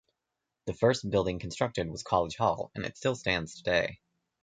The first building constructed was College Hall, and it still stands today.